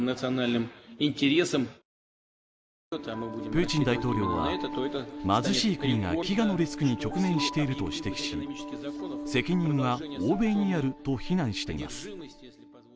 プーチン大統領は貧しい国が飢餓のリスクに直面していると指摘し責任は欧米にあると非難しています。